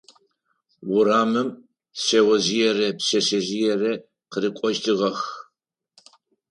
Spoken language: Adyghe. Урамым шъэожъыерэ пшъэшъэжъыерэ къырыкӏощтыгъэх.